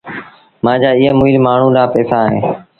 مآݩجآ ايٚئي مُئيٚل مآڻهوٚٚݩ ڏآݩهݩ پئيٚسآ اهيݩ